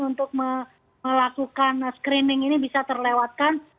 untuk melakukan screening ini bisa terlewatkan